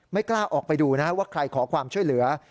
กล้าออกไปดูนะฮะว่าใครขอความช่วยเหลือ